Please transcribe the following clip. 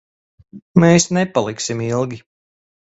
Mēs nepaliksim ilgi.